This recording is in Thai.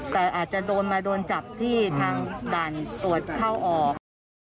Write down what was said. แต่อาจจะโดนมาโดนจับที่ทางด่านตรวจเข้าออก